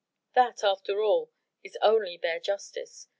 That, after all, is only bare justice.